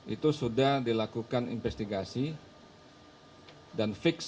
itu sudah dilakukan investigasi dan fix